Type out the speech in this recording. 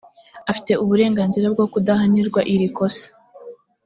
afite uburenganzira bwo kudahanirwa iri kosa